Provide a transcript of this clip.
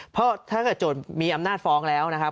เพราะถ้าเกิดโจทย์มีอำนาจฟ้องแล้วนะครับ